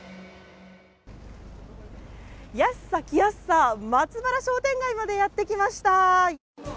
安さ、気安さ、松原商店街までやってきました。